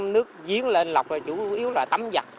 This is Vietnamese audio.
nước giếng lên lọc là chủ yếu là tắm giặt